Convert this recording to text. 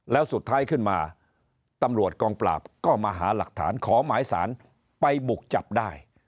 แล้วสุดท้ายขึ้นมาตำรวจกองปราบก็มาหาหลักฐานขอหมายสารไปบุกจับได้